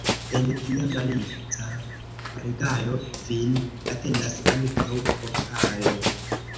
En via malica regalo vin atendas ankaŭ pokalo.